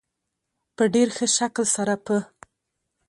په ډېر ښه شکل سره په